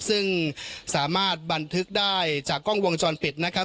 ซึ่งสามารถบันทึกได้จากกล้องวงจรปิดนะครับ